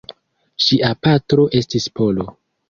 Ŝia patro estis Polo.